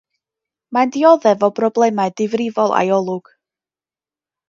Mae'n dioddef o broblemau difrifol â'i olwg.